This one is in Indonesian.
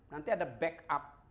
nanti ada backup